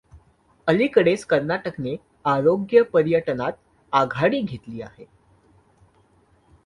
अलीकडेच कर्नाटकने आरोग्य पर्यटनात आघाडी घेतली आहे.